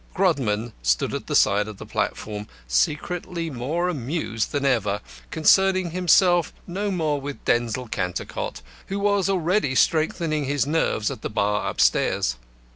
Grodman stood at the side of the platform secretly more amused than ever, concerning himself no more with Denzil Cantercot, who was already strengthening his nerves at the bar upstairs.